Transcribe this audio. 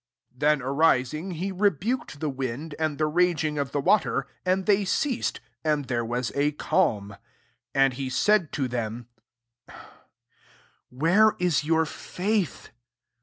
'* Then arising, he rebuked the wind, and the raging of the wa ter: and they ceased, and there was a calm. 25 And he said to them, " Where is your faith